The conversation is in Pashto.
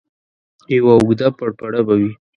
یوه اوږده پړپړه به وي.